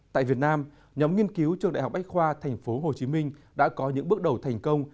tại việt nam nhóm nghiên cứu trường đại học bách khoa tp hcm đã có những bước đầu thành công